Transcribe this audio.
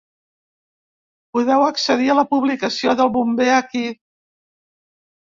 Podeu accedir a la publicació del bomber aquí.